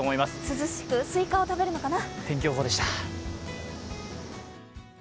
涼しく、スイカを食べるのかな？